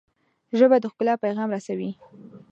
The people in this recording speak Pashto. ژبه د ښکلا پیغام رسوي